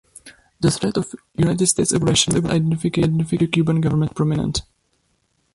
The threat of United States aggression made identification with the Cuban government prominent.